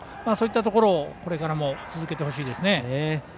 そういったところをこれからも続けてほしいですね。